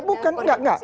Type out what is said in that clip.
ya bukan enggak enggak